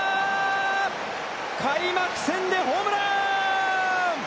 開幕戦でホームラン！